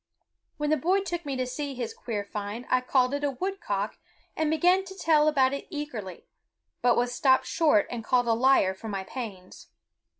When the boy took me to see his queer find I called it a woodcock and began to tell about it eagerly, but was stopped short and called a liar for my pains.